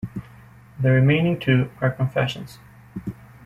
The remaining two are confessions.